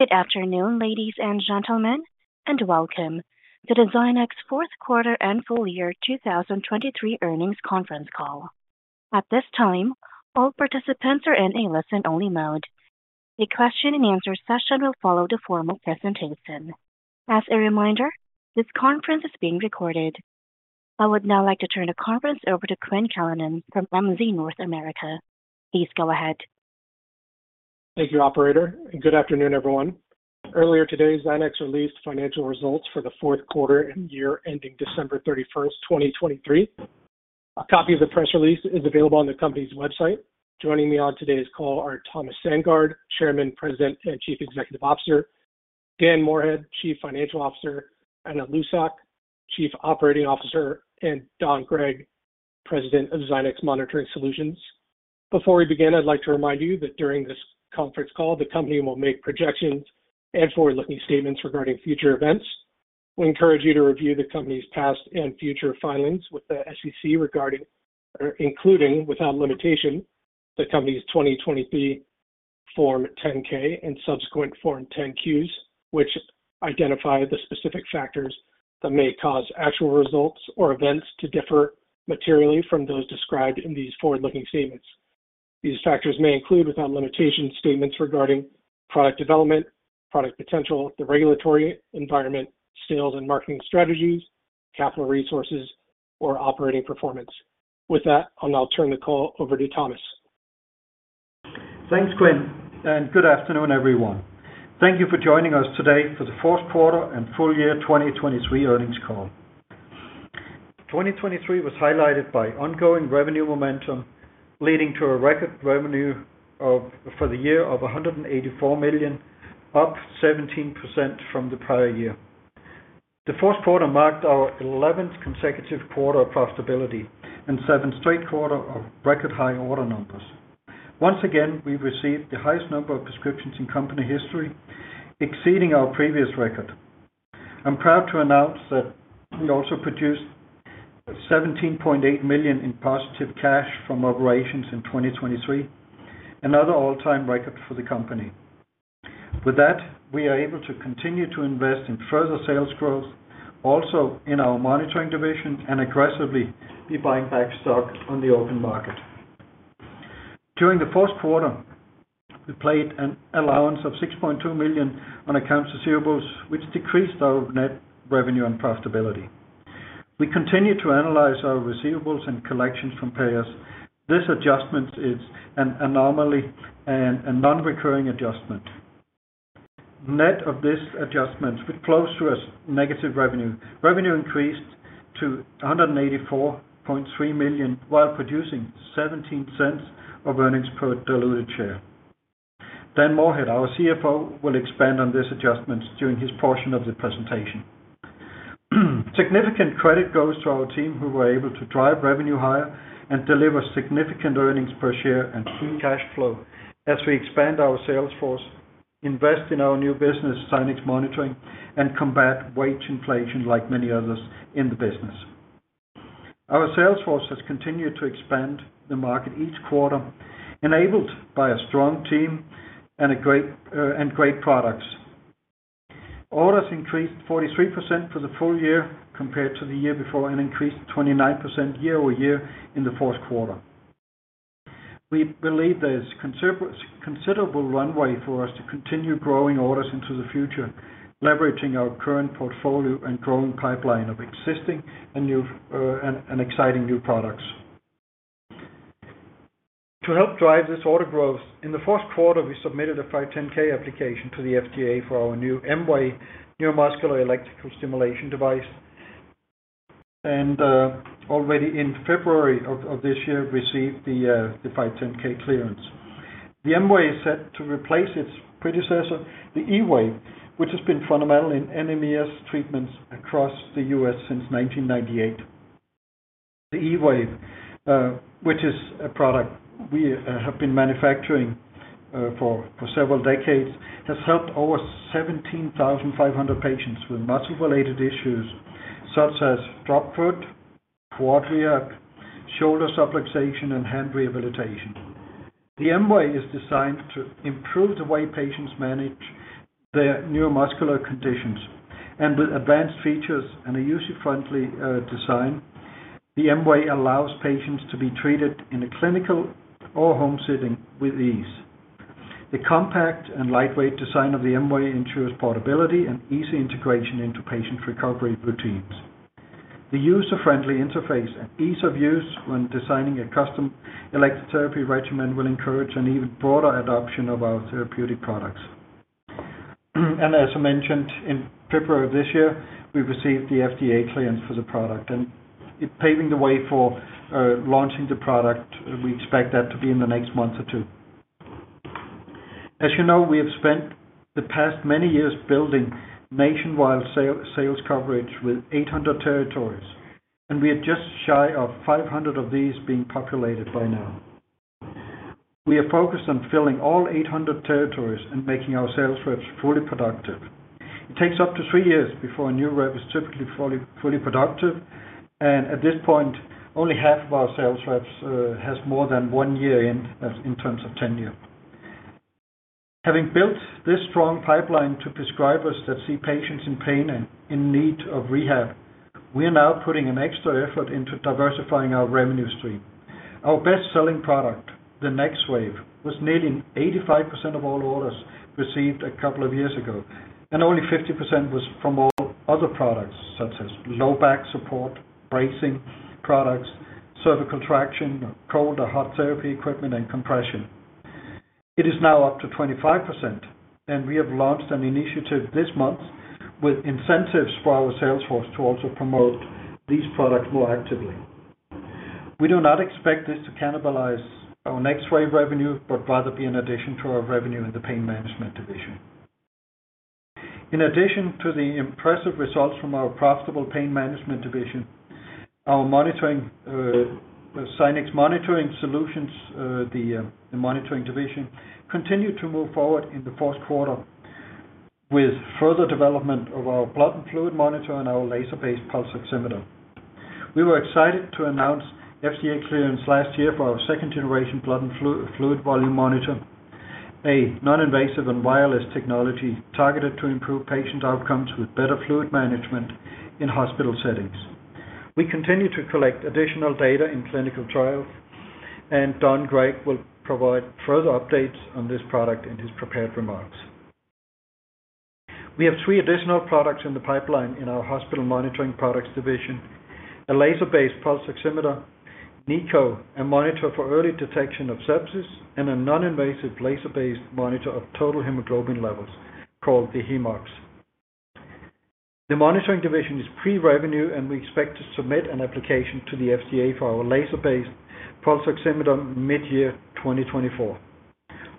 Good afternoon, ladies and gentlemen, and welcome to the Zynex fourth quarter and full year 2023 earnings conference call. At this time, all participants are in a listen-only mode. A question-and-answer session will follow the formal presentation. As a reminder, this conference is being recorded. I would now like to turn the conference over to Quinn Callanan from MZ North America. Please go ahead. Thank you, operator, and good afternoon, everyone. Earlier today, Zynex released financial results for the fourth quarter and year ending December 31, 2023. A copy of the press release is available on the company's website. Joining me on today's call are Thomas Sandgaard, Chairman, President, and Chief Executive Officer, Dan Moorhead, Chief Financial Officer, Anna Lucsok, Chief Operating Officer, and Don Gregg, President of Zynex Monitoring Solutions. Before we begin, I'd like to remind you that during this conference call, the company will make projections and forward-looking statements regarding future events. We encourage you to review the company's past and future filings with the SEC regarding, or including, without limitation, the company's 2023 Form 10-K and subsequent Form 10-Qs, which identify the specific factors that may cause actual results or events to differ materially from those described in these forward-looking statements. These factors may include, without limitation, statements regarding product development, product potential, the regulatory environment, sales and marketing strategies, capital resources, or operating performance. With that, I'll now turn the call over to Thomas. Thanks, Quinn, and good afternoon, everyone. Thank you for joining us today for the fourth quarter and full year 2023 earnings call. 2023 was highlighted by ongoing revenue momentum, leading to a record revenue of $184 million for the year, up 17% from the prior year. The fourth quarter marked our 11th consecutive quarter of profitability and seventh straight quarter of record-high order numbers. Once again, we've received the highest number of prescriptions in company history, exceeding our previous record. I'm proud to announce that we also produced $17.8 million in positive cash from operations in 2023, another all-time record for the company. With that, we are able to continue to invest in further sales growth, also in our monitoring division, and aggressively be buying back stock on the open market. During the fourth quarter, we provided an allowance of $6.2 million on accounts receivables, which decreased our net revenue and profitability. We continue to analyze our receivables and collections from payers. This adjustment is an anomaly and a non-recurring adjustment. Net of this adjustment, we'd be close to negative revenue. Revenue increased to $184.3 million while producing $0.17 of earnings per diluted share. Dan Moorhead, our CFO, will expand on this adjustment during his portion of the presentation. Significant credit goes to our team, who were able to drive revenue higher and deliver significant earnings per share and free cash flow as we expand our sales force, invest in our new business, Zynex Monitoring, and combat wage inflation like many others in the business. Our sales force has continued to expand the market each quarter, enabled by a strong team and great products. Orders increased 43% for the full year compared to the year before and increased 29% year over year in the fourth quarter. We believe there is considerable runway for us to continue growing orders into the future, leveraging our current portfolio and growing pipeline of existing and new and exciting new products. To help drive this order growth, in the fourth quarter, we submitted a 510(k) application to the FDA for our new M-Wave neuromuscular electrical stimulation device. Already in February of this year received the 510(k) clearance. The M-Wave is set to replace its predecessor, the E-Wave, which has been fundamental in NMES treatments across the U.S. since 1998. The E-Wave, which is a product we have been manufacturing for several decades, has helped over 17,500 patients with muscle-related issues such as drop foot, quad rehab, shoulder subluxation, and hand rehabilitation. The M-Wave is designed to improve the way patients manage their neuromuscular conditions. With advanced features and a user-friendly design, the M-Wave allows patients to be treated in a clinical or home setting with ease. The compact and lightweight design of the M-Wave ensures portability and easy integration into patient recovery routines. The user-friendly interface and ease of use when designing a custom electrotherapy regimen will encourage an even broader adoption of our therapeutic products. As I mentioned, in February of this year, we received the FDA clearance for the product. It paving the way for launching the product. We expect that to be in the next month or two. As you know, we have spent the past many years building nationwide sales coverage with 800 territories. We are just shy of 500 of these being populated by now. We are focused on filling all 800 territories and making our sales reps fully productive. It takes up to 3 years before a new rep is typically fully productive. At this point, only half of our sales reps has more than 1 year in terms of tenure. Having built this strong pipeline to prescribers that see patients in pain and in need of rehab, we are now putting an extra effort into diversifying our revenue stream. Our best-selling product, the NexWave, was nearly 85% of all orders received a couple of years ago. Only 50% was from all other products such as low back support, bracing products, cervical traction, cold or hot therapy equipment, and compression. It is now up to 25%. We have launched an initiative this month with incentives for our sales force to also promote these products more actively. We do not expect this to cannibalize our NexWave revenue but rather be an addition to our revenue in the pain management division. In addition to the impressive results from our profitable pain management division, our monitoring, Zynex Monitoring Solutions, the monitoring division, continue to move forward in the fourth quarter with further development of our blood and fluid monitor and our laser-based pulse oximeter. We were excited to announce FDA clearance last year for our second-generation blood and fluid volume monitor, a non-invasive and wireless technology targeted to improve patient outcomes with better fluid management in hospital settings. We continue to collect additional data in clinical trials. And Don Gregg will provide further updates on this product in his prepared remarks. We have three additional products in the pipeline in our hospital monitoring products division: a laser-based pulse oximeter, NiCO, a monitor for early detection of sepsis, and a non-invasive laser-based monitor of total hemoglobin levels called the HemoOx. The monitoring division is pre-revenue, and we expect to submit an application to the FDA for our laser-based pulse oximeter mid-year 2024.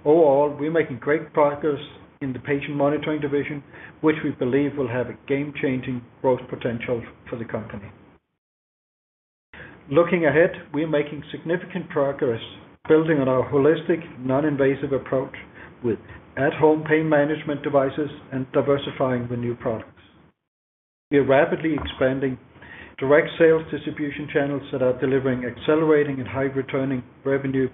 Overall, we're making great progress in the patient monitoring division, which we believe will have a game-changing growth potential for the company. Looking ahead, we're making significant progress building on our holistic, non-invasive approach with at-home pain management devices and diversifying with new products. We are rapidly expanding direct sales distribution channels that are delivering accelerating and high-returning revenue,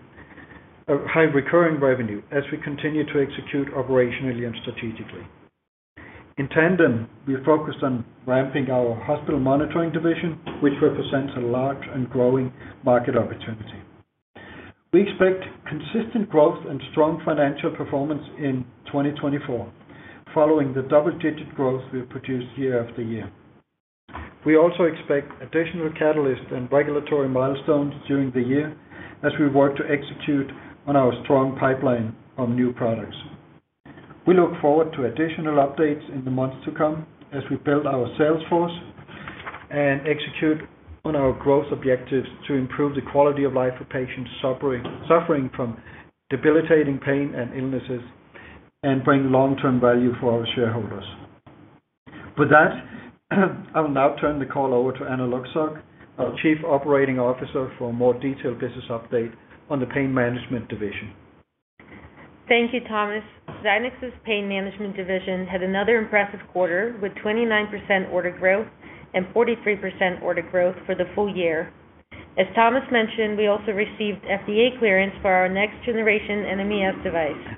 high-recurring revenue as we continue to execute operationally and strategically. In tandem, we're focused on ramping our hospital monitoring division, which represents a large and growing market opportunity. We expect consistent growth and strong financial performance in 2024 following the double-digit growth we have produced year after year. We also expect additional catalysts and regulatory milestones during the year as we work to execute on our strong pipeline of new products. We look forward to additional updates in the months to come as we build our sales force and execute on our growth objectives to improve the quality of life of patients suffering from debilitating pain and illnesses and bring long-term value for our shareholders. With that, I will now turn the call over to Anna Lucsok, our Chief Operating Officer, for a more detailed business update on the pain management division. Thank you, Thomas. Zynex's pain management division had another impressive quarter with 29% order growth and 43% order growth for the full year. As Thomas mentioned, we also received FDA clearance for our next-generation NMES device.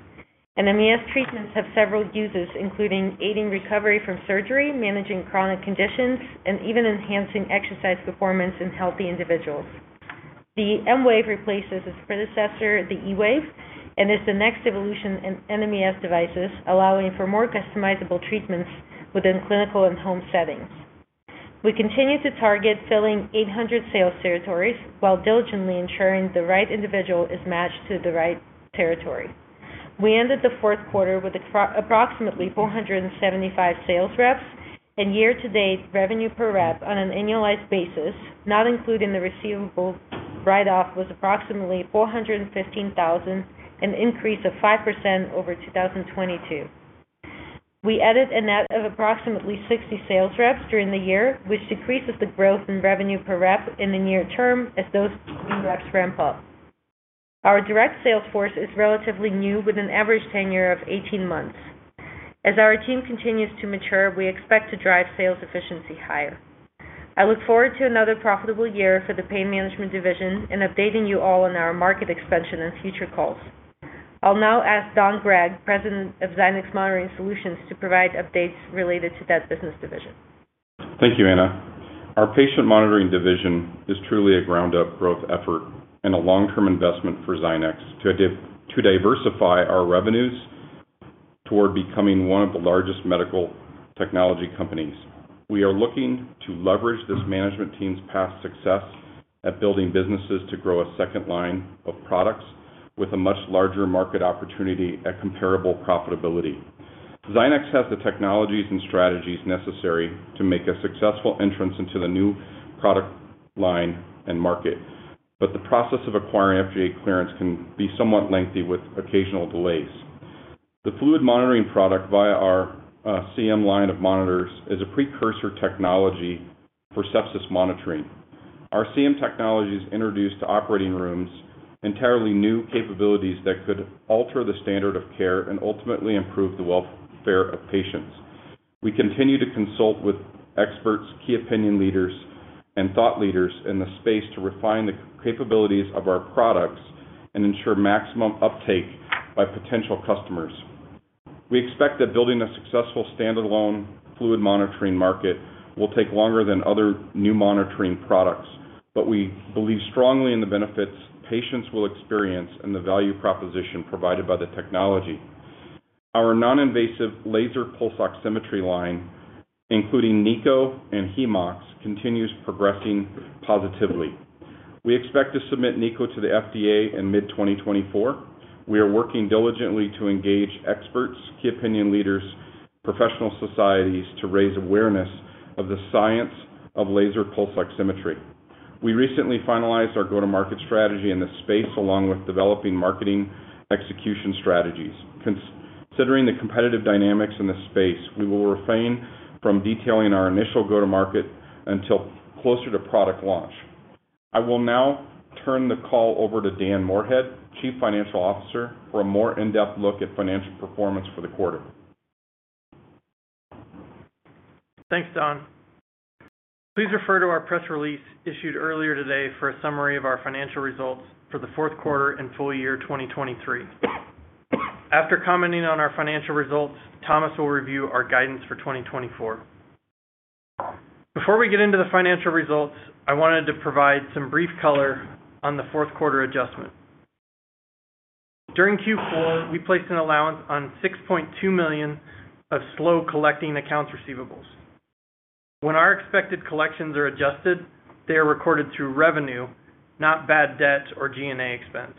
NMES treatments have several uses, including aiding recovery from surgery, managing chronic conditions, and even enhancing exercise performance in healthy individuals. The M-Wave replaces its predecessor, the E-Wave, and is the next evolution in NMES devices, allowing for more customizable treatments within clinical and home settings. We continue to target filling 800 sales territories while diligently ensuring the right individual is matched to the right territory. We ended the fourth quarter with approximately 475 sales reps. Year-to-date revenue per rep on an annualized basis, not including the receivable write-off, was approximately $415,000, an increase of 5% over 2022. We added a net of approximately 60 sales reps during the year, which decreases the growth in revenue per rep in the near term as those new reps ramp up. Our direct sales force is relatively new, with an average tenure of 18 months. As our team continues to mature, we expect to drive sales efficiency higher. I look forward to another profitable year for the pain management division and updating you all on our market expansion and future calls. I'll now ask Don Gregg, President of Zynex Monitoring Solutions, to provide updates related to that business division. Thank you, Anna. Our patient monitoring division is truly a ground-up growth effort and a long-term investment for Zynex to diversify our revenues toward becoming one of the largest medical technology companies. We are looking to leverage this management team's past success at building businesses to grow a second line of products with a much larger market opportunity at comparable profitability. Zynex has the technologies and strategies necessary to make a successful entrance into the new product line and market. But the process of acquiring FDA clearance can be somewhat lengthy, with occasional delays. The fluid monitoring product via our CM line of monitors is a precursor technology for sepsis monitoring. Our CM technology is introduced to operating rooms: entirely new capabilities that could alter the standard of care and ultimately improve the welfare of patients. We continue to consult with experts, key opinion leaders, and thought leaders in the space to refine the capabilities of our products and ensure maximum uptake by potential customers. We expect that building a successful standalone fluid monitoring market will take longer than other new monitoring products. But we believe strongly in the benefits patients will experience and the value proposition provided by the technology. Our non-invasive laser pulse oximetry line, including NiCO and HEMOX, continues progressing positively. We expect to submit NiCO to the FDA in mid-2024. We are working diligently to engage experts, key opinion leaders, and professional societies to raise awareness of the science of laser pulse oximetry. We recently finalized our go-to-market strategy in this space, along with developing marketing execution strategies. Considering the competitive dynamics in this space, we will refrain from detailing our initial go-to-market until closer to product launch. I will now turn the call over to Dan Moorhead, Chief Financial Officer, for a more in-depth look at financial performance for the quarter. Thanks, Don. Please refer to our press release issued earlier today for a summary of our financial results for the fourth quarter and full year 2023. After commenting on our financial results, Thomas will review our guidance for 2024. Before we get into the financial results, I wanted to provide some brief color on the fourth quarter adjustment. During Q4, we placed an allowance on $6.2 million of slow collecting accounts receivables. When our expected collections are adjusted, they are recorded through revenue, not bad debt or G&A expense.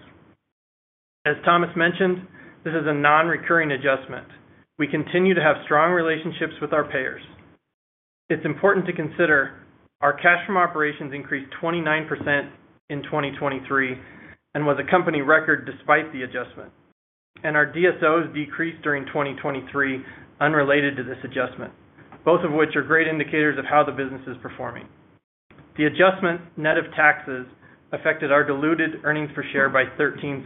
As Thomas mentioned, this is a non-recurring adjustment. We continue to have strong relationships with our payers. It's important to consider: our cash from operations increased 29% in 2023 and was a company record despite the adjustment. Our DSOs decreased during 2023 unrelated to this adjustment, both of which are great indicators of how the business is performing. The adjustment net of taxes affected our diluted earnings per share by $0.13.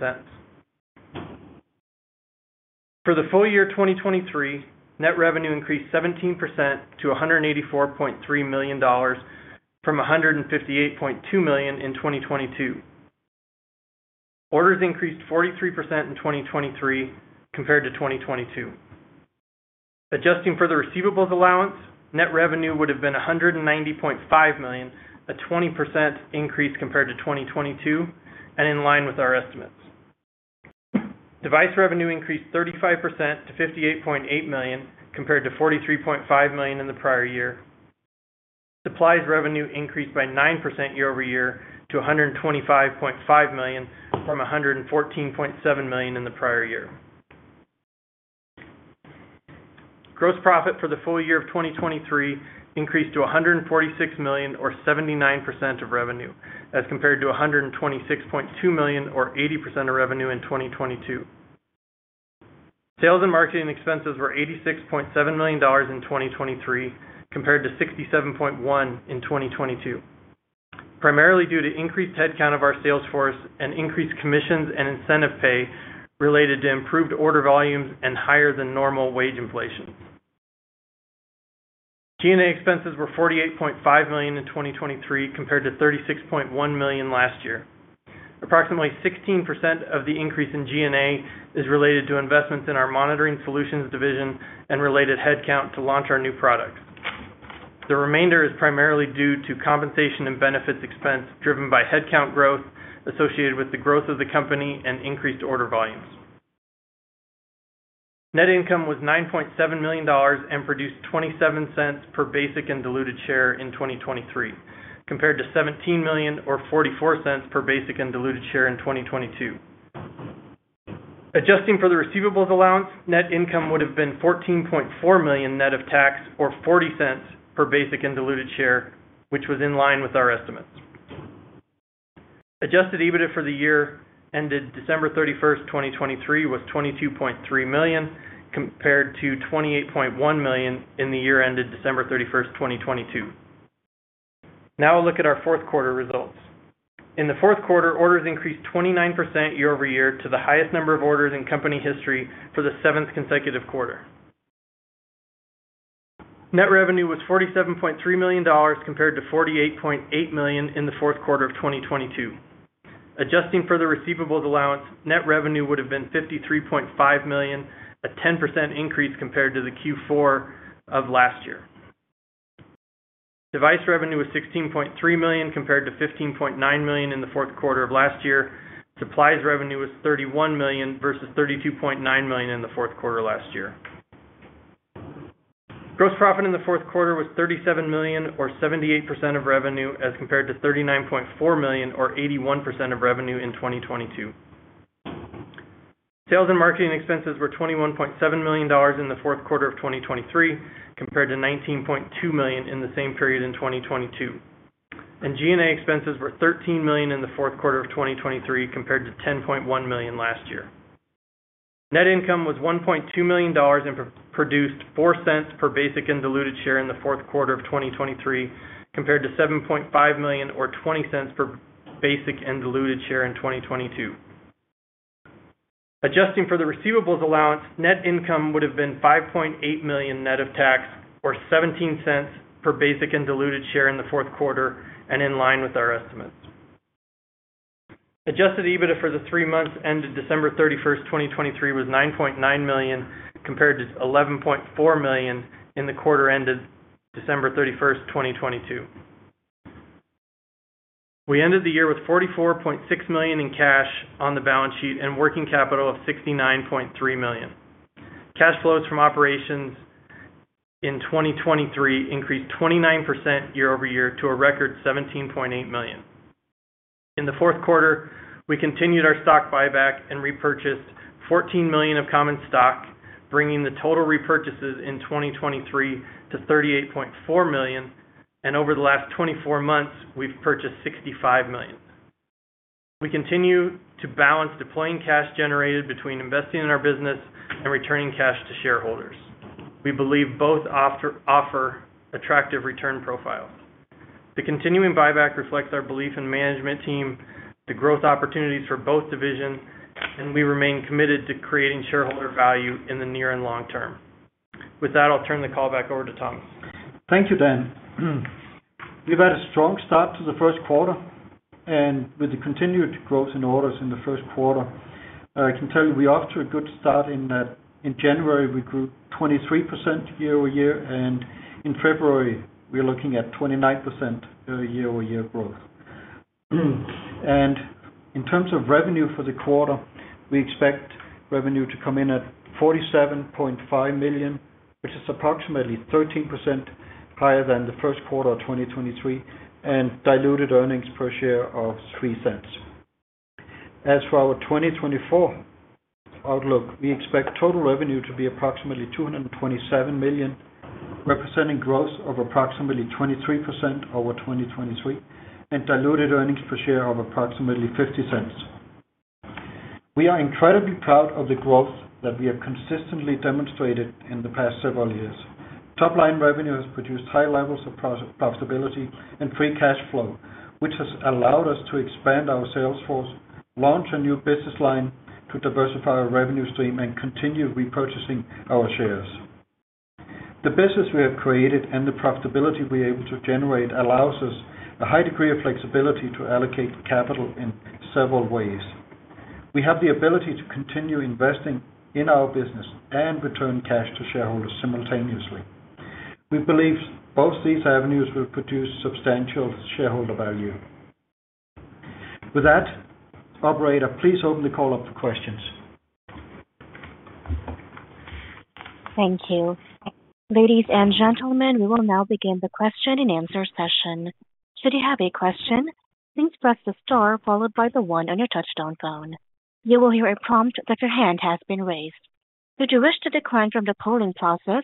For the full year 2023, net revenue increased 17% to $184.3 million from $158.2 million in 2022. Orders increased 43% in 2023 compared to 2022. Adjusting for the receivables allowance, net revenue would have been $190.5 million, a 20% increase compared to 2022 and in line with our estimates. Device revenue increased 35% to $58.8 million compared to $43.5 million in the prior year. Supplies revenue increased by 9% year over year to $125.5 million from $114.7 million in the prior year. Gross profit for the full year of 2023 increased to $146 million, or 79% of revenue, as compared to $126.2 million, or 80% of revenue in 2022. Sales and marketing expenses were $86.7 million in 2023 compared to $67.1 million in 2022, primarily due to increased headcount of our sales force and increased commissions and incentive pay related to improved order volumes and higher-than-normal wage inflation. G&A expenses were $48.5 million in 2023 compared to $36.1 million last year. Approximately 16% of the increase in G&A is related to investments in our monitoring solutions division and related headcount to launch our new products. The remainder is primarily due to compensation and benefits expense driven by headcount growth associated with the growth of the company and increased order volumes. Net income was $9.7 million and produced 0.27 cents per basic and diluted share in 2023 compared to $17 million, or 0.44 cents per basic and diluted share in 2022. Adjusting for the receivables allowance, net income would have been $14.4 million net of tax, or $0.40 per basic and diluted share, which was in line with our estimates. Adjusted EBITDA for the year ended December 31st, 2023, was $22.3 million compared to $28.1 million in the year ended December 31st, 2022. Now I'll look at our fourth quarter results. In the fourth quarter, orders increased 29% year-over-year to the highest number of orders in company history for the seventh consecutive quarter. Net revenue was $47.3 million compared to $48.8 million in the fourth quarter of 2022. Adjusting for the receivables allowance, net revenue would have been $53.5 million, a 10% increase compared to the Q4 of last year. Device revenue was $16.3 million compared to $15.9 million in the fourth quarter of last year. Supplies revenue was $31 million versus $32.9 million in the fourth quarter last year. Gross profit in the fourth quarter was $37 million, or 78% of revenue, as compared to $39.4 million, or 81% of revenue in 2022. Sales and marketing expenses were $21.7 million in the fourth quarter of 2023 compared to $19.2 million in the same period in 2022. G&A expenses were $13 million in the fourth quarter of 2023 compared to $10.1 million last year. Net income was $1.2 million and producing $0.04 per basic and diluted share in the fourth quarter of 2023 compared to $7.5 million, or $0.20 per basic and diluted share in 2022. Adjusting for the receivables allowance, net income would have been $5.8 million net of tax, or $0.17 per basic and diluted share in the fourth quarter and in line with our estimates. Adjusted EBITDA for the three months ended December 31st, 2023, was $9.9 million compared to $11.4 million in the quarter ended December 31st, 2022. We ended the year with $44.6 million in cash on the balance sheet and working capital of $69.3 million. Cash flows from operations in 2023 increased 29% year over year to a record $17.8 million. In the fourth quarter, we continued our stock buyback and repurchased 14 million of common stock, bringing the total repurchases in 2023 to $38.4 million. Over the last 24 months, we've purchased $65 million. We continue to balance deploying cash generated between investing in our business and returning cash to shareholders. We believe both offer attractive return profiles. The continuing buyback reflects our belief in management team, the growth opportunities for both divisions. We remain committed to creating shareholder value in the near and long term. With that, I'll turn the call back over to Thomas. Thank you, Dan. We've had a strong start to the first quarter. With the continued growth in orders in the first quarter, I can tell you we're off to a good start in that in January, we grew 23% year-over-year. In February, we're looking at 29% year-over-year growth. In terms of revenue for the quarter, we expect revenue to come in at $47.5 million, which is approximately 13% higher than the first quarter of 2023 and diluted earnings per share of $0.03. As for our 2024 outlook, we expect total revenue to be approximately $227 million, representing growth of approximately 23% over 2023 and diluted earnings per share of approximately $0.50. We are incredibly proud of the growth that we have consistently demonstrated in the past several years. Top-line revenue has produced high levels of profitability and free cash flow, which has allowed us to expand our sales force, launch a new business line to diversify our revenue stream, and continue repurchasing our shares. The business we have created and the profitability we're able to generate allows us a high degree of flexibility to allocate capital in several ways. We have the ability to continue investing in our business and return cash to shareholders simultaneously. We believe both these avenues will produce substantial shareholder value. With that, operator, please open the call up for questions. Thank you. Ladies and gentlemen, we will now begin the question and answer session. Should you have a question, please press the star followed by the 1 on your touch-tone phone. You will hear a prompt that your hand has been raised. Should you wish to decline from the polling process,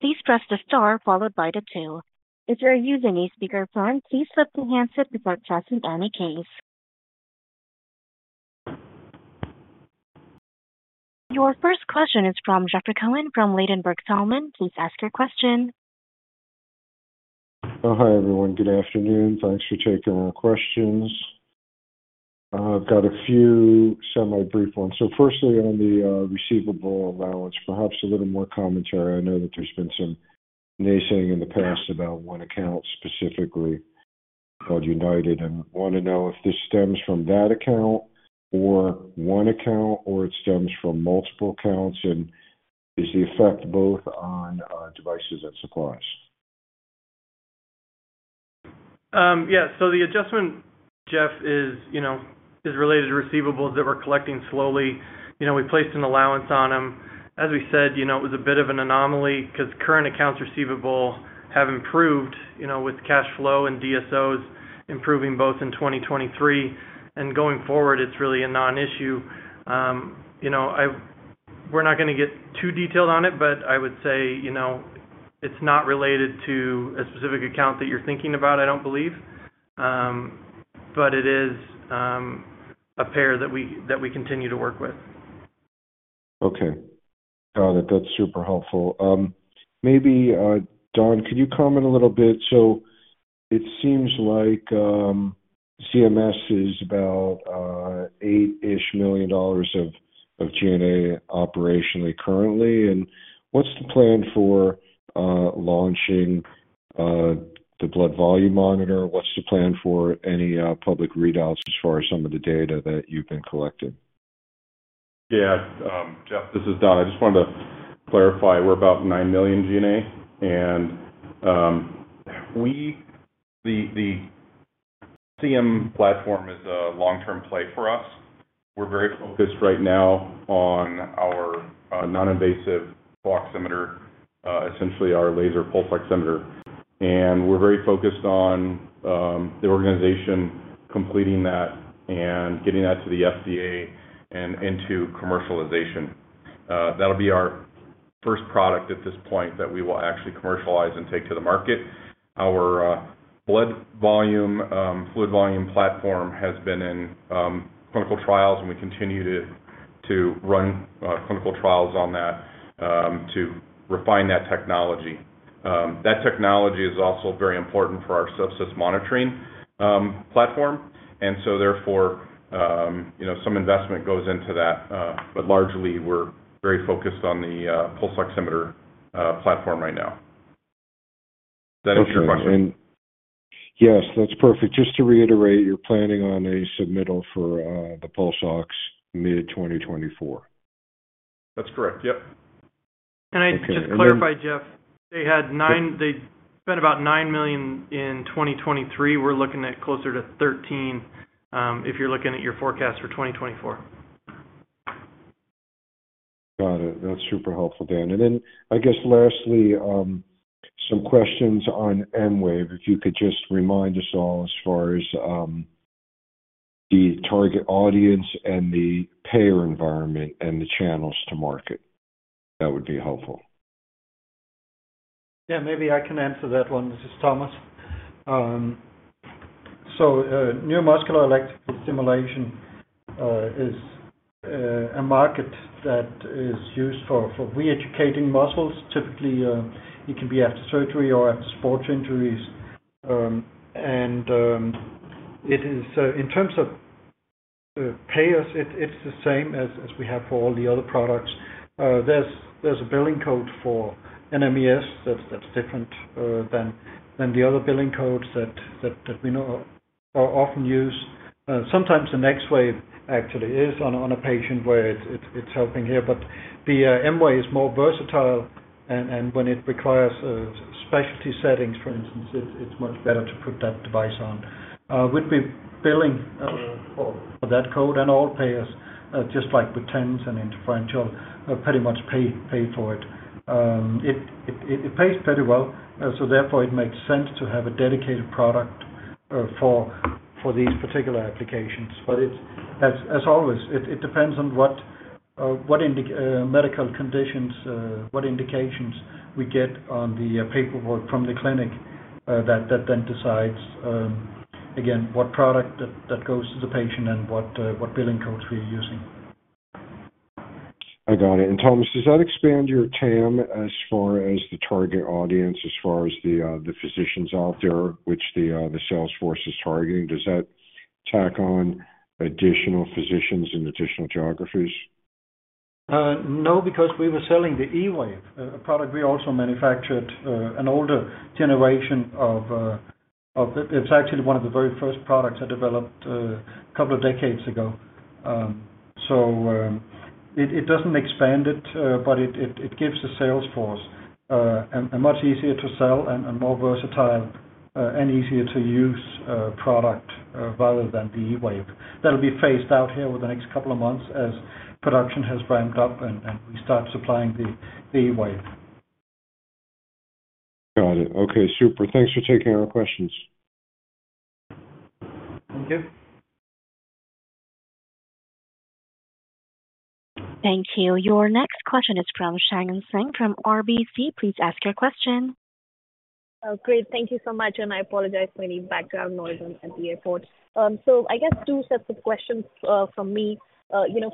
please press the star followed by the 2. If you are using a speakerphone, please lift the handset without pressing any keys. Your first question is from Jeffrey Cohen from Ladenburg Thalmann. Please ask your question. Oh, hi, everyone. Good afternoon. Thanks for taking our questions. I've got a few semi-brief ones. So firstly, on the receivable allowance, perhaps a little more commentary. I know that there's been some gnashing in the past about one account specifically called United. And I want to know if this stems from that account or one account, or it stems from multiple accounts. And is the effect both on devices and supplies? Yeah. So the adjustment, Jeff, is related to receivables that we're collecting slowly. We placed an allowance on them. As we said, it was a bit of an anomaly because current accounts receivable have improved with cash flow and DSOs improving both in 2023. Going forward, it's really a non-issue. We're not going to get too detailed on it, but I would say it's not related to a specific account that you're thinking about, I don't believe. It is a payer that we continue to work with. Okay. Got it. That's super helpful. Maybe, Don, could you comment a little bit? So it seems like ZMS is about $8-ish million of G&A operationally currently. And what's the plan for launching the blood volume monitor? What's the plan for any public readouts as far as some of the data that you've been collecting? Yeah, Jeff, this is Don. I just wanted to clarify. We're about $9 million G&A. And the CM platform is a long-term play for us. We're very focused right now on our non-invasive pulse oximeter, essentially our laser pulse oximeter. And we're very focused on the organization completing that and getting that to the FDA and into commercialization. That'll be our first product at this point that we will actually commercialize and take to the market. Our blood volume, fluid volume platform has been in clinical trials, and we continue to run clinical trials on that to refine that technology. That technology is also very important for our sepsis monitoring platform. And so, therefore, some investment goes into that. But largely, we're very focused on the pulse oximeter platform right now. Is that answer your question? Okay. And yes, that's perfect. Just to reiterate, you're planning on a submittal for the pulse ox mid-2024. That's correct. Yep. I'd just clarify, Jeff. They spent about $9 million in 2023. We're looking at closer to $13 million if you're looking at your forecast for 2024. Got it. That's super helpful, Don. And then, I guess, lastly, some questions on NexWave. If you could just remind us all as far as the target audience and the payer environment and the channels to market, that would be helpful. Yeah, maybe I can answer that one. This is Thomas. So neuromuscular electrical stimulation is a market that is used for reeducating muscles. Typically, it can be after surgery or after sports injuries. And in terms of payers, it's the same as we have for all the other products. There's a billing code for NMES that's different than the other billing codes that we often use. Sometimes an E-Wave, actually, is on a patient where it's helping here. But the M-Wave is more versatile. And when it requires specialty settings, for instance, it's much better to put that device on. We'd be billing for that code and all payers, just like with TENS and interferential, pretty much pay for it. It pays pretty well. So, therefore, it makes sense to have a dedicated product for these particular applications. As always, it depends on what medical conditions, what indications we get on the paperwork from the clinic that then decides, again, what product that goes to the patient and what billing codes we are using. I got it. And Thomas, does that expand your TAM as far as the target audience, as far as the physicians out there, which the sales force is targeting? Does that tack on additional physicians in additional geographies? No, because we were selling the E-Wave, a product we also manufactured, an older generation of its—actually one of the very first products I developed a couple of decades ago. So it doesn't expand it, but it gives the sales force a much easier-to-sell and more versatile and easier-to-use product rather than the E-Wave. That'll be phased out here over the next couple of months as production has ramped up and we start supplying the E-Wave. Got it. Okay. Super. Thanks for taking our questions. Thank you. Thank you. Your next question is from Shagun Singh from RBC. Please ask your question. Great. Thank you so much. And I apologize for any background noise at the airport. So I guess two sets of questions from me.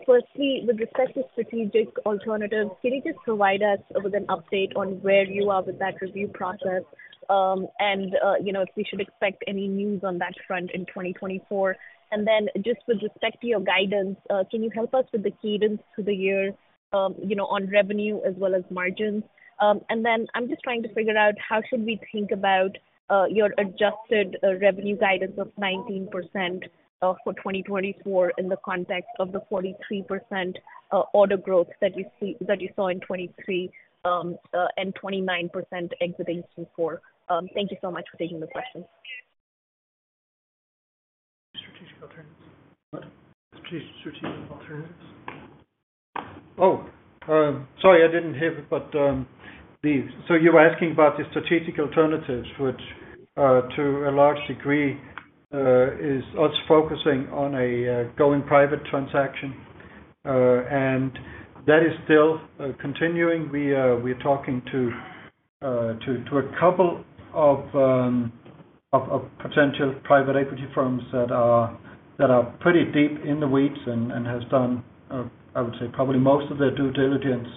Firstly, with respect to strategic alternatives, can you just provide us with an update on where you are with that review process and if we should expect any news on that front in 2024? And then just with respect to your guidance, can you help us with the cadence to the year on revenue as well as margins? And then I'm just trying to figure out how should we think about your adjusted revenue guidance of 19% for 2024 in the context of the 43% order growth that you saw in 2023 and 29% exiting 2024? Thank you so much for taking the question. Strategic alternatives. What? Strategic alternatives? Oh, sorry. I didn't hear it. But so you were asking about the strategic alternatives, which to a large degree is us focusing on a going private transaction. And that is still continuing. We are talking to a couple of potential private equity firms that are pretty deep in the weeds and have done, I would say, probably most of their due diligence.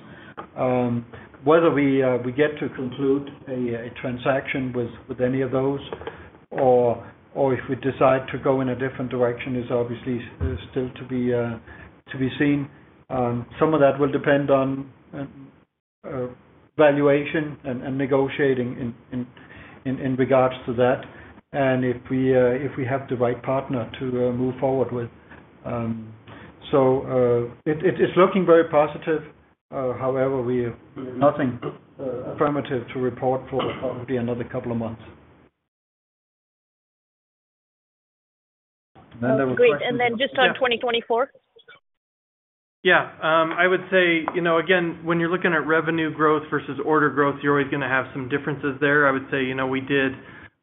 Whether we get to conclude a transaction with any of those or if we decide to go in a different direction is obviously still to be seen. Some of that will depend on valuation and negotiating in regards to that and if we have the right partner to move forward with. So it's looking very positive. However, we have nothing affirmative to report for probably another couple of months. And then there was questions. Great. And then just on 2024? Yeah. I would say, again, when you're looking at revenue growth versus order growth, you're always going to have some differences there. I would say we did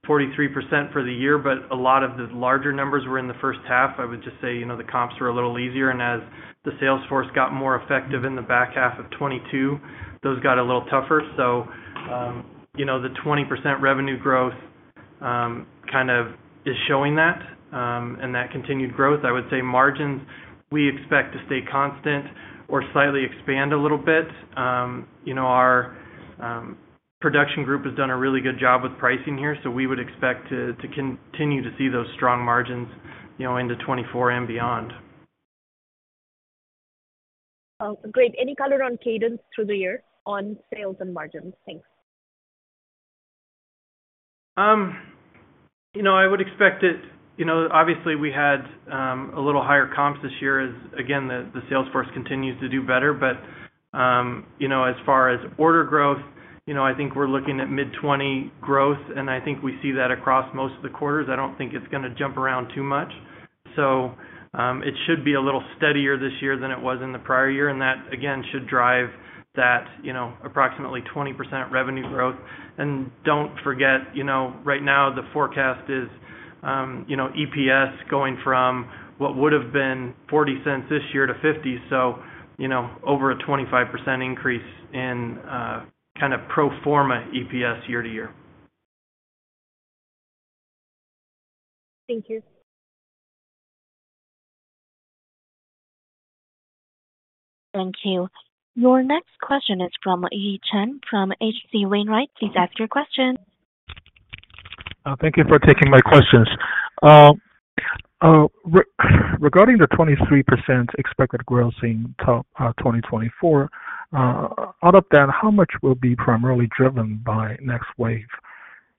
43% for the year, but a lot of the larger numbers were in the first half. I would just say the comps were a little easier. And as the sales force got more effective in the back half of 2022, those got a little tougher. So the 20% revenue growth kind of is showing that and that continued growth. I would say margins, we expect to stay constant or slightly expand a little bit. Our production group has done a really good job with pricing here. So we would expect to continue to see those strong margins into 2024 and beyond. Great. Any color on cadence through the year on sales and margins? Thanks. I would expect it obviously; we had a little higher comps this year as, again, the sales force continues to do better. But as far as order growth, I think we're looking at mid-20% growth. And I think we see that across most of the quarters. I don't think it's going to jump around too much. So it should be a little steadier this year than it was in the prior year. And that, again, should drive that approximately 20% revenue growth. And don't forget, right now, the forecast is EPS going from what would have been $0.40 this year to $0.50, so over a 25% increase in kind of pro forma EPS year to year. Thank you. Thank you. Your next question is from Yi Chen from H.C. Wainwright. Please ask your question. Thank you for taking my questions. Regarding the 23% expected growth in 2024, out of that, how much will be primarily driven by NexWave?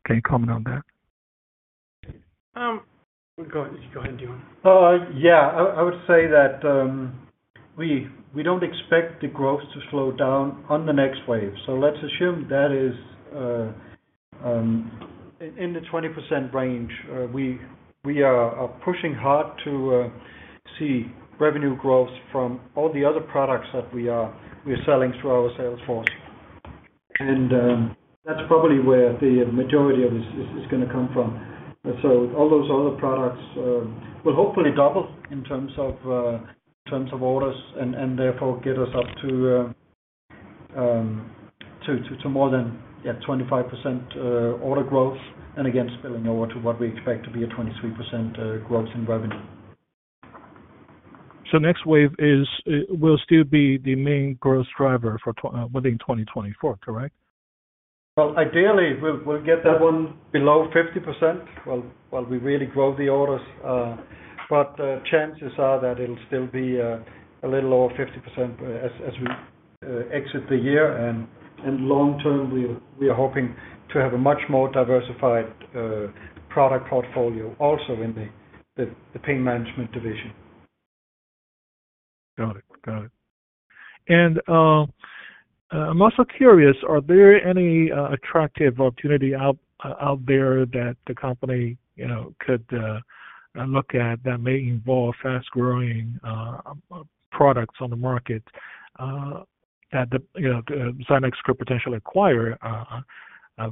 Can you comment on that? Go ahead. You can go ahead, Don. Yeah. I would say that we don't expect the growth to slow down on the next wave. So let's assume that is in the 20% range. We are pushing hard to see revenue growth from all the other products that we are selling through our sales force. And that's probably where the majority of this is going to come from. So all those other products will hopefully double in terms of orders and, therefore, get us up to more than, yeah, 25% order growth and, again, spilling over to what we expect to be a 23% growth in revenue. NexWave will still be the main growth driver within 2024, correct? Well, ideally, we'll get that one below 50% while we really grow the orders. Chances are that it'll still be a little over 50% as we exit the year. Long term, we are hoping to have a much more diversified product portfolio also in the pain management division. Got it. Got it. I'm also curious, are there any attractive opportunities out there that the company could look at that may involve fast-growing products on the market that Zynex could potentially acquire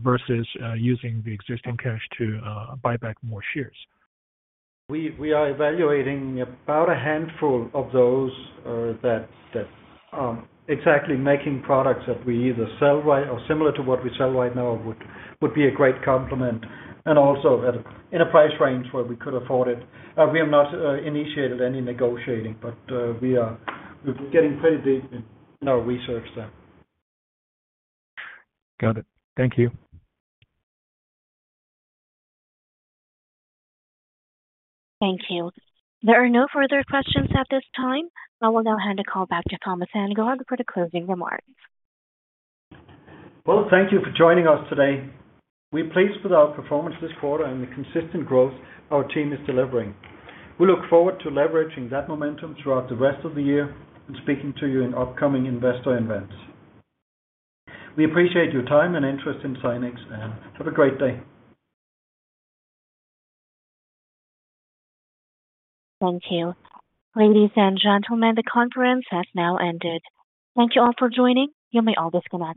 versus using the existing cash to buy back more shares? We are evaluating about a handful of those that are exactly making products that we either sell right, or similar to what we sell right now would be a great complement and also in a price range where we could afford it. We have not initiated any negotiating, but we are getting pretty deep in our research there. Got it. Thank you. Thank you. There are no further questions at this time. I will now hand the call back to Thomas and now for the closing remarks. Well, thank you for joining us today. We're pleased with our performance this quarter and the consistent growth our team is delivering. We look forward to leveraging that momentum throughout the rest of the year and speaking to you in upcoming investor events. We appreciate your time and interest in Zynex and have a great day. Thank you. Ladies and gentlemen, the conference has now ended. Thank you all for joining. You may always connect.